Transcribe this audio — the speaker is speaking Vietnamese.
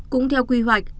cũng theo quy hoạch